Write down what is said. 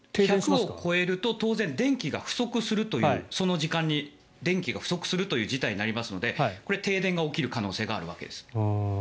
１００を超えると当然その時間に電気が不足するという事態になりますので停電が起きる可能性があるわけです。